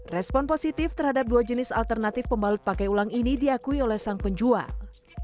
respon positif terhadap dua jenis alternatif pembalut pakai ulang ini diakui oleh sang penjual